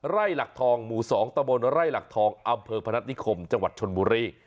หลักทองหมู่๒ตะบนไร่หลักทองอำเภอพนัฐนิคมจังหวัดชนบุรี